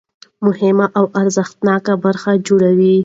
مهمه او ارزښتناکه برخه جوړوي.